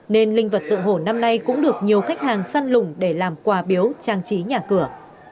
nên linh vật tượng hồ năm nay cũng được nhiều khách hàng săn lùng để làm quà biếu trang trí nhà cửa